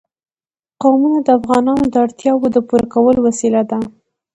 قومونه د افغانانو د اړتیاوو د پوره کولو وسیله ده.